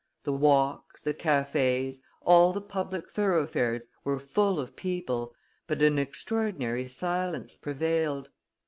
The walks, the cafes, all the public thoroughfares were full of people, but an extraordinary silence prevailed.